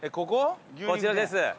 こちらです。